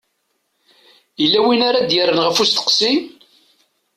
Yella win ara d-yerren ɣef usteqsi?